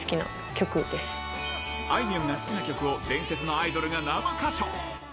あいみょんが好きな曲を伝説のアイドルが生歌唱。